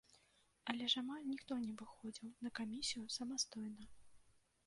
Але ж амаль ніхто не выходзіў на камісію самастойна.